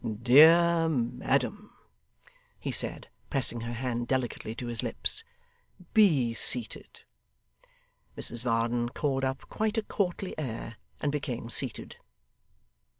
'Dear madam,' he said, pressing her hand delicately to his lips; 'be seated.' Mrs Varden called up quite a courtly air, and became seated.